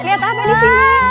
liat apa disini